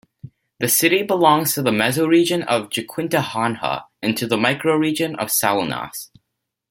The city belongs to the mesoregion of Jequitinhonha and to the microregion of Salinas.